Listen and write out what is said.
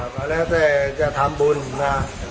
ก่อนแล้วจะทำบุญนะ